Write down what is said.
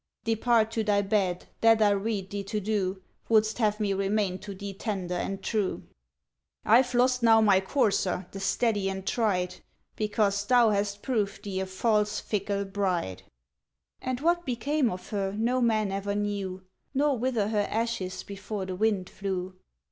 ŌĆ£Depart to thy bed, that I rede thee to do, WouldŌĆÖst have me remain to thee tender and true. ŌĆ£IŌĆÖve lost now my courser, the steady and tried, Because thou hast proved thee a false, fickle bride. ŌĆØ And what became of her no man ever knew, Nor whither her ashes before the wind flew.